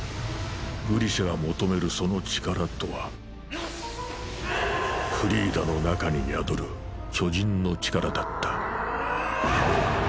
グリシャが求めるその力とはフリーダの中に宿る巨人の力だった。